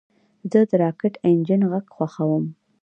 زه د راکټ انجن غږ خوښوم.